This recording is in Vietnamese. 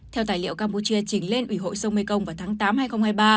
theo tài liệu campuchia trình lên ủy hội sông mekong vào tháng tám hai nghìn hai mươi ba